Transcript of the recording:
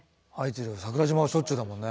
桜島はしょっちゅうだもんね。